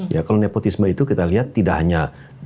ya kalau nepotisme itu kita lihat tidak hanya